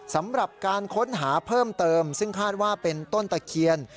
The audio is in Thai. สำหรับการค้นหาเพิ่มเติมซึ่งคาดว่าเป็นต้นตะเคียน